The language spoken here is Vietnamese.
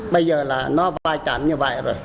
bây giờ là nó vai trán như vậy rồi